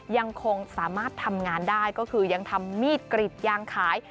ยังคงสามารถทำงานได้ก็คือยังทำมีดกรีดยางขาย